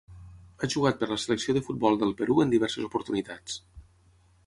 Ha jugat per la selecció de futbol del Perú en diverses oportunitats.